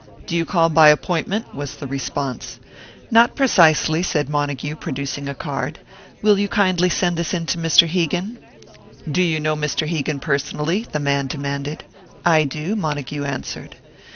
"Do you call by appointment?" was the response. "Not precisely," said Montague, producing a card. "Will you kindly send this to Mr. Hegan?" "Do you know Mr. Hegan personally?" the man demanded. "I do," Montague answered.